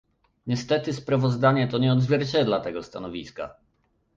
Niestety, sprawozdanie to nie odzwierciedla tego stanowiska